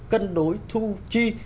cân đối thu chi